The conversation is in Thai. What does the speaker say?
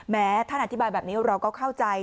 แม้ถ้าหนังอธิบายแบบนี้เราก็เข้าใจ